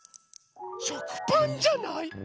しょくパンじゃない？